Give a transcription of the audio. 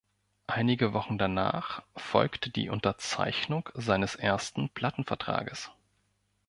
Einige Wochen danach folgte die Unterzeichnung seines ersten Plattenvertrages.